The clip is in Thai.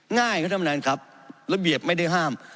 ง่ายก็ดำเนินครับระเบียบไม่ได้ห้าม